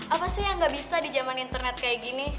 apa sih yang gak bisa di zaman internet kayak gini